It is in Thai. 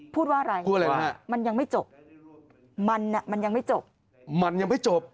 พูดว่าอะไรมันยังไม่จบมันมันยังไม่จบมันยังไม่จบ